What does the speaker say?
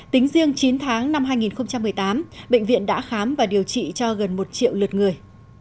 tính riêng chín tháng năm hai nghìn một mươi tám bệnh viện đã khám và điều trị cho gần một triệu lượt người